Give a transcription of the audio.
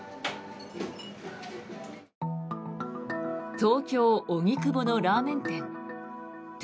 東京・荻窪のラーメン店。